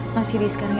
mas hidi sekarang ya